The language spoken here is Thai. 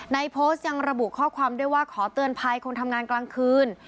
โพสต์ยังระบุข้อความด้วยว่าขอเตือนภัยคนทำงานกลางคืน